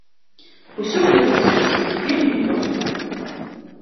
Усё ў гэтым свеце вельмі проста.